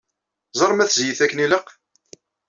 Ẓer ma tzeyyet akken ilaq.